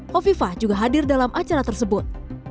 hovifah juga hadir dalam acara tersebut